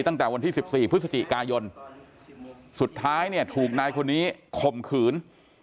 ตั้งแต่วันที่๑๔พฤศจิกายนสุดท้ายเนี่ยถูกนายคนนี้ข่มขืน